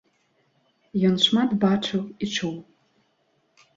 Ён шмат бачыў і чуў.